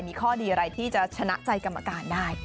มีข้อดีอะไรที่จะชนะใจกรรมการได้